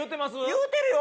言うてるよ！